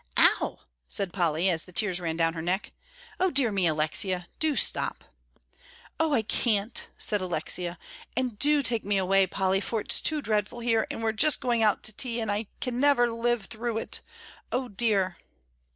"Ow!" said Polly, as the tears ran down her neck; "O dear me, Alexia, do stop!" "Oh, I can't," said Alexia, "and do take me away, Polly, for it's too dreadful here, and we're just going out to tea, and I never can live through it. O dear!"